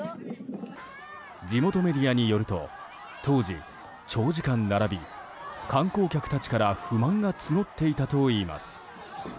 地元メディアによると当時、長時間並び観光客たちから不満が募っていたといいます。